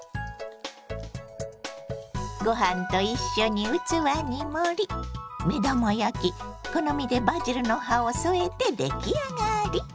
ご飯と一緒に器に盛り目玉焼き好みでバジルの葉を添えて出来上がり。